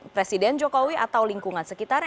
presiden jokowi atau lingkungan sekitar